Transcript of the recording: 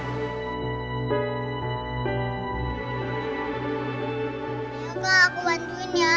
yuk aku bantuin ya